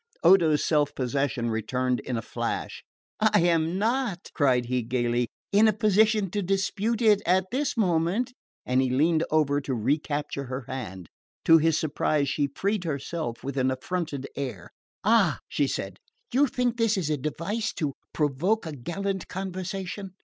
Odo's self possession returned in a flash. "I am not," cried he gaily, "in a position to dispute it at this moment;" and he leaned over to recapture her hand. To his surprise she freed herself with an affronted air. "Ah," she said, "you think this a device to provoke a gallant conversation."